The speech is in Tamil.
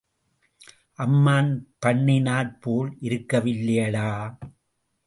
அம்மான் பண்ணினாற் போல் இருக்க வில்லையடா.